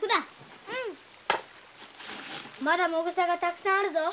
まだモグサがたくさんあるぞ。